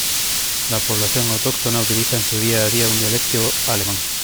La población autóctona utiliza en su día a día un dialecto alemán.